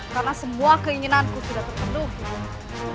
karena semua keinginanku sudah terpenuhi